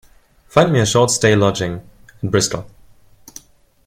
Find me a short stay lodging in Bristol.